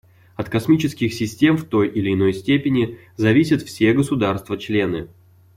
От космических систем в той или иной степени зависят все государства-члены.